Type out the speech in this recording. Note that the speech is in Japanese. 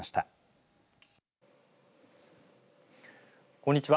こんにちは。